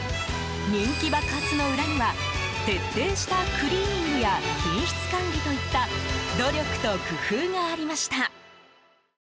人気爆発の裏には徹底したクリーニングや品質管理といった努力と工夫がありました。